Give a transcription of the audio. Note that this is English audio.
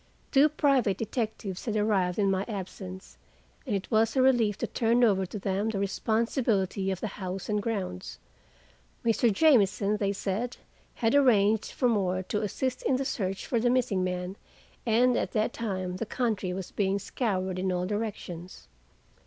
Two private detectives had arrived in my absence, and it was a relief to turn over to them the responsibility of the house and grounds. Mr. Jamieson, they said, had arranged for more to assist in the search for the missing man, and at that time the country was being scoured in all directions.